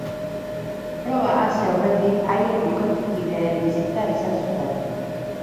Proba hasi aurretik haien bikotekideen bisita izan zuten.